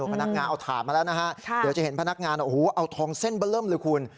พนักงานเอาถาดมาแล้วนะฮะเดี๋ยวจะเห็นพนักงานโอ้โหเอาทองเส้นเบอร์เริ่มเลยคุณ